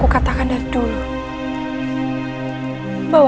aku akan menang